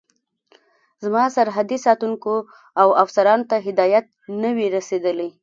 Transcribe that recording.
زما سرحدي ساتونکو او افسرانو ته هدایت نه وي رسېدلی.